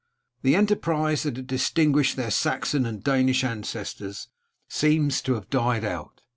The enterprise that had distinguished their Saxon and Danish ancestors seems to have died out.